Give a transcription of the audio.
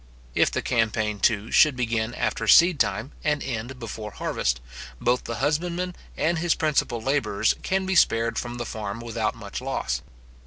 If the campaign, too, should begin after seedtime, and end before harvest, both the husbandman and his principal labourers can be spared from the farm without much loss.